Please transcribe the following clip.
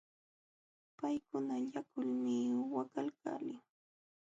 Paykuna llakulmi waqaykalin.